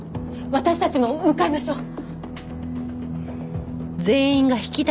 私たちも向かいましょう。